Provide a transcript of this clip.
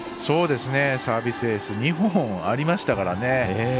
サービスエース２本ありましたからね。